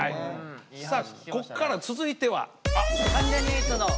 さあここから続いては。